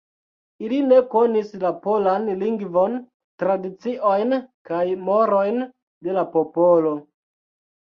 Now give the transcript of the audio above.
Ili ne konis la polan lingvon, tradiciojn kaj morojn de la popolo.